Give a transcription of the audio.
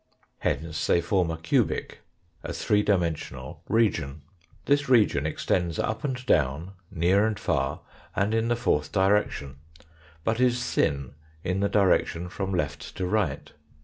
Hence they form a cubic, a three dimensional region; this region extends up and down, near and far, and in the fourth direction, but is thin in the direction from left to right.